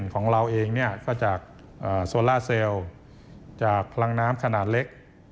ของเราเองก็จากโซล่าเซลล์จากพลังน้ำขนาดเล็ก